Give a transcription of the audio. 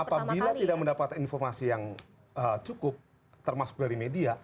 apabila tidak mendapatkan informasi yang cukup termasuk dari media